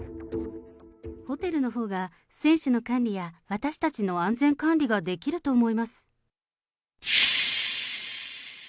ホテルのほうが、選手の管理や私たちの安全管理ができると思います。